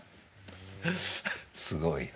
すごいな。